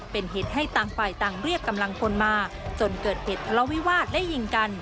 เป็นเหตุให้ต่างฝ่ายต่างเรียกกำลังพลมาจนเกิดเหตุทะเลาวิวาสและยิงกัน